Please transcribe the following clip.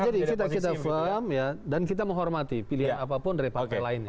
jadi kita faham dan kita menghormati pilihan apapun dari partai lainnya